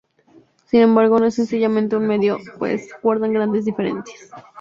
Sin embargo, no es sencillamente un miedo, pues guardan grandes diferencias.